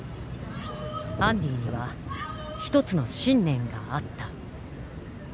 アンディには一つの信念があった。